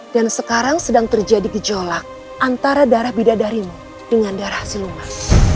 dan sekarang sedang terjadi gejolak antara darah bidadarimu dengan darah siluman